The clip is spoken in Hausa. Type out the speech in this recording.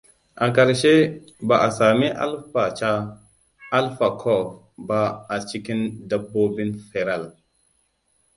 A ƙarshe, ba a sami alpaca alpha-CoV ba a cikin dabbobin feral.